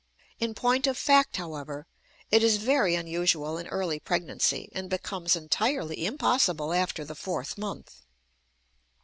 In point of fact, however, it is very unusual in early pregnancy, and becomes entirely impossible after the fourth month.